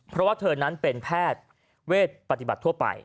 เพราะว่าเธอนั้นเป็นแพทย์เวทปฏิบัติทั่วไป